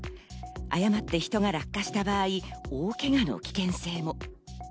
誤って人が落下した場合、大けがの危険性も。